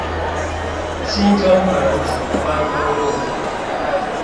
新中橫景觀公路